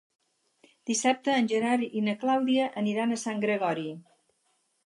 Dissabte en Gerard i na Clàudia aniran a Sant Gregori.